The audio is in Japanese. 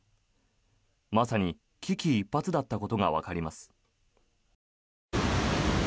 まさに危機一髪だったことがわかります。